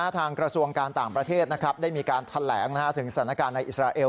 กระทรวงการต่างประเทศได้มีการแถลงถึงสถานการณ์ในอิสราเอล